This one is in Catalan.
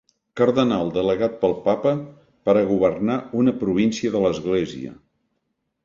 Cardenal delegat pel papa per a governar una província de l'Església.